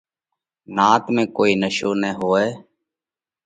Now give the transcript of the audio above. نات ۾ ڪوئي نشو نہ هوئہ۔